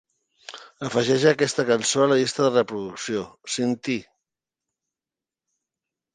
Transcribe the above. Afegeix aquesta cançó a la llista de reproducció "Sin Ti".